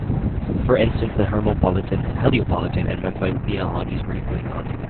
For instance, the Hermopolitan, Heliopolitan and Memphite theologies, were equally validated.